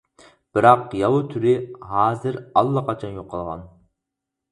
بىراق، ياۋا تۈرى ھازىر ئاللىقاچان يوقالغان.